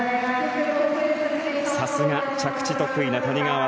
さすが着地が得意な谷川航。